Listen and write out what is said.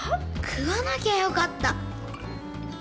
食わなきゃよかった。